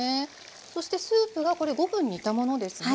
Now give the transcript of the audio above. そしてスープがこれ５分煮たものですね。